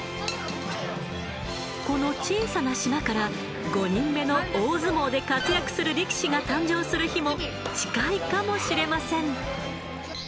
この小さな島から５人目の大相撲で活躍する力士が誕生する日も近いかもしれません。